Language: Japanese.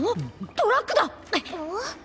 トラック？